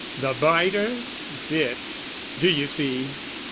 The biter bit, Do you see!